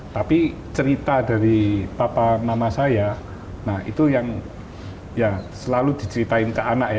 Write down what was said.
tapi cerita dari papa nama saya nah itu yang ya selalu diceritain ke anak ya